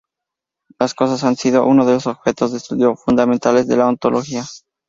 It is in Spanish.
Las cosas han sido uno de los objetos de estudio fundamentales de la ontología.